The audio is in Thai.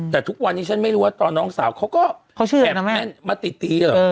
แต่ทุกวันนี้ฉันไม่รู้ว่าตอนน้องสาวเขาก็มาติดตีเหรอ